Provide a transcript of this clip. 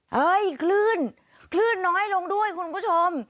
คลื่นคลื่นน้อยลงด้วยคุณผู้ชม